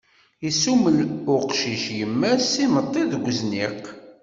Isummel uqcic yemma-s s yimeṭṭi deg uzniq.